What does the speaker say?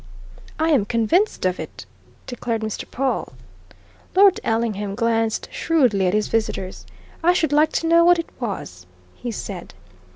"I am convinced of it!" declared Mr. Pawle. Lord Ellingham glanced shrewdly at his visitors. "I should like to know what it was!" he said.